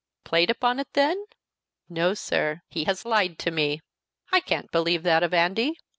"Played upon it, then!" "No, sir. He has lied to me!" "I can't believe that of Andy."